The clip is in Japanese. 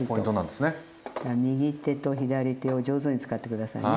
右手と左手を上手に使って下さいね。